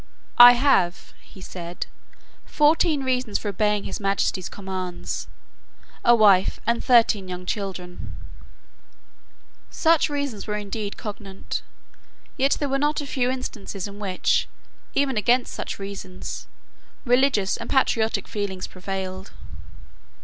"I have," he said, "fourteen reasons for obeying His Majesty's commands, a wife and thirteen young children." Such reasons were indeed cogent; yet there were not a few instances in which, even against such reasons, religious and patriotic feelings prevailed.